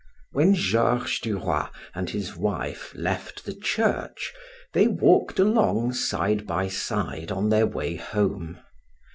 When Georges du Roy and his wife left the church, they walked along side by side on their way home.